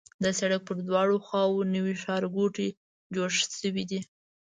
د سړک پر دواړو خواوو نوي ښارګوټي جوړ شوي دي.